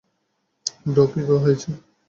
Bro, কী হয়েছে?